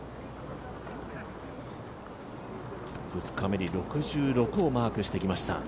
２日目に６６をマークしてきました。